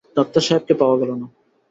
Doctor সাহেবকে পাওয়া গেল না।